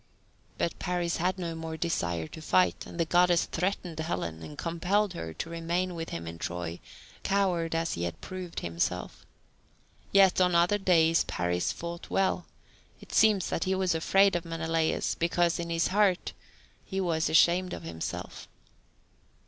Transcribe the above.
But Paris had no more desire to fight, and the Goddess threatened Helen, and compelled her to remain with him in Troy, coward as he had proved himself. Yet on other days Paris fought well; it seems that he was afraid of Menelaus because, in his heart, he was ashamed of himself.